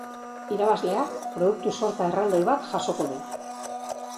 Irabazleak, produktu-sorta erraldoi bat jasoko du.